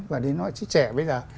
và đến họa sĩ trẻ bây giờ